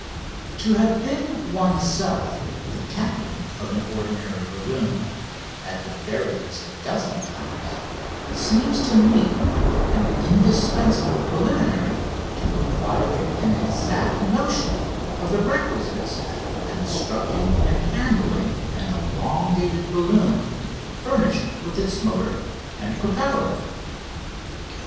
To have been oneself the captain of an ordinary balloon at the very least a dozen times seems to me an indispensable preliminary to acquiring an exact notion of the requisites for constructing and handling an elongated balloon furnished with its motor and propeller.